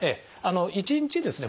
１日ですね